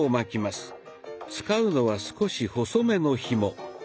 使うのは少し細めのひも。